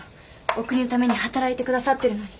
お国のために働いて下さってるのに。